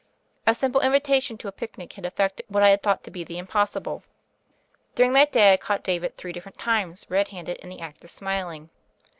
A simple invitation to a picnic had ef fected what I had thought to be the impossible. During that day I caught David three different times red handed in the act of smiling.